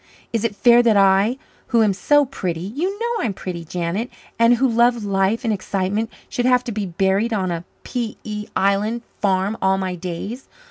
Is it fair that I, who am so pretty you know I am pretty, Janet and who love life and excitement, should have to be buried on a P.E. Island farm all my days?